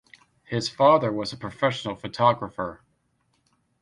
His father was a professional photographer.